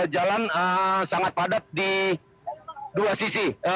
jalan sangat padat di dua sisi